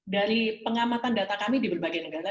dari pengamatan data kami di berbagai negara